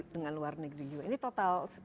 dengan luar negeri juga ini total